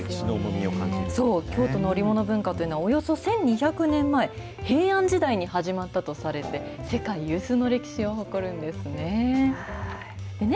そう、京都の織物文化というのは、およそ１２００年前、平安時代に始まったとされて、世界有数の歴史を誇るんですね。